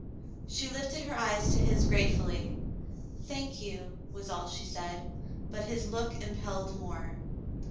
p" She lifted her eyes to his gratefully. "Thank you," was all she said, but his look impelled more.